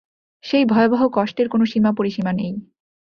সেই ভয়াবহ কষ্টের কোনো সীমা-পরিসীমা নেই।